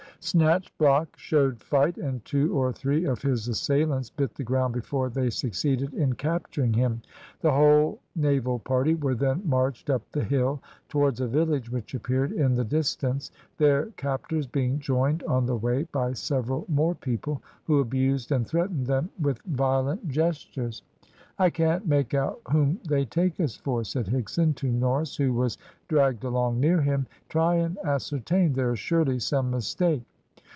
Snatchblock showed fight, and two or three of his assailants bit the ground before they succeeded in capturing him. The whole naval party were then marched up the hill towards a village which appeared in the distance, their captors being joined on the way by several more people, who abused and threatened them with violent gestures. "I can't make out whom they take us for," said Higson to Norris, who was dragged along near him. "Try and ascertain. There is surely some mistake."